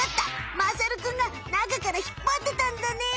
まさるくんが中から引っぱってたんだね！